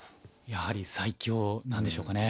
やはり最強なんでしょうかね。